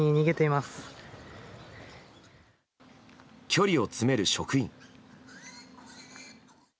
距離を詰める職員。